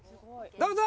どうぞ！